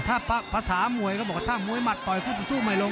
ถ้าภาษามวยก็บอกว่าถ้ามวยหมัดต่อยคู่ต่อสู้ไม่ลง